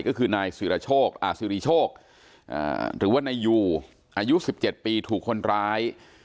ก็คือนายสิริโชคหรือว่านายยูอายุ๑๗ปีถูกคนร้าย